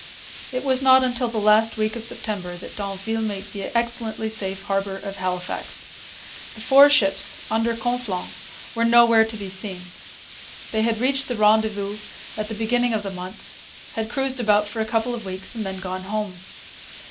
It was not till the last week of September that d'Anville made the excellently safe harbour of Halifax. The four ships under Conflans were nowhere to be seen. They had reached the rendezvous at the beginning of the month, had cruised about for a couple of weeks, and had then gone home.